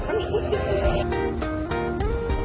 kita mau ke kewaterdama bang